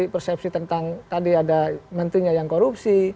persepsi tentang tadi ada menterinya yang korupsi